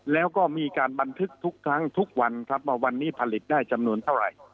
แล้วก็มีการบันทึกทุกครั้งทุกวันครับว่าวันนี้ผลิตได้จำนวนเท่าไหร่